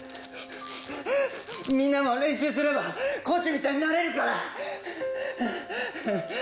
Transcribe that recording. みんなも練習すればコーチみたいになれるから！